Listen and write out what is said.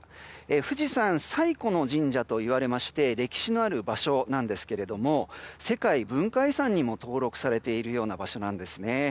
富士山最古の神社といわれまして歴史のある場所なんですけども世界文化遺産にも登録されているような場所なんです。